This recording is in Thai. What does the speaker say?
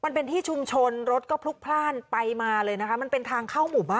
มันเป็นทางเข้าหมู่บ้างมันเป็นทางเข้าหมู่บ้าง